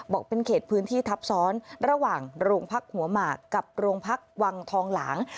เป็นเขตพื้นที่ทับซ้อนระหว่างโรงพักหัวหมากกับโรงพักวังทองหลาง